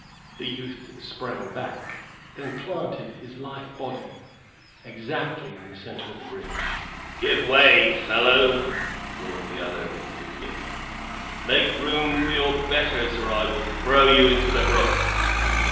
The youth sprang back; then planted his lithe body exactly in the center of the bridge. "Give way, fellow," roared the other, instantly. "Make room for your betters, or I will throw you into the brook!"